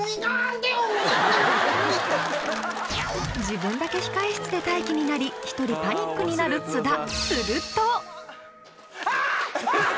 自分だけ控え室で待機になり１人パニックになる津田